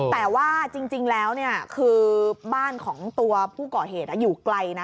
แต่ว่าจริงแล้วคือบ้านของตัวผู้ก่อเหตุอยู่ไกลนะ